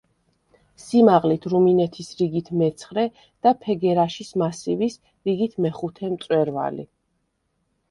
სიმაღლით რუმინეთის რიგით მეცხრე და ფეგერაშის მასივის რიგით მეხუთე მწვერვალი.